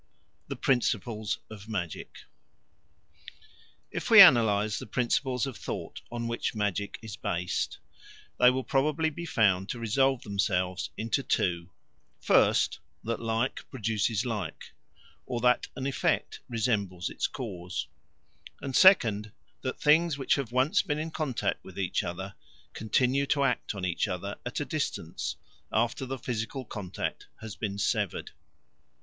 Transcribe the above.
The Principles of Magic IF we analyse the principles of thought on which magic is based, they will probably be found to resolve themselves into two: first, that like produces like, or that an effect resembles its cause; and, second, that things which have once been in contact with each other continue to act on each other at a distance after the physical contact has been severed.